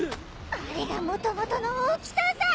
あれがもともとの大きささ！